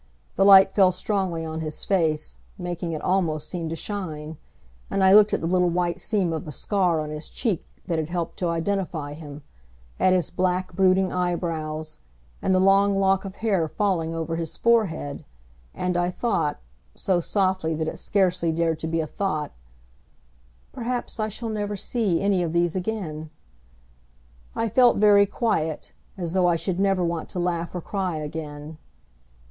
The light fell strongly on his face, making it almost seem to shine, and I looked at the little white seam of the scar on his cheek that had helped to identify him, at his black, brooding eyebrows, and the long lock of hair falling over his forehead, and I thought, so softly that it scarcely dared to be a thought, "Perhaps I shall never see any of these again." I felt very quiet, as though I should never want to laugh or cry again.